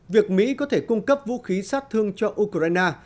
việc mỹ có thể cung cấp vũ khí sát thương cho ukraine